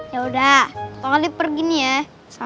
yaudah tongolip pergi nih ya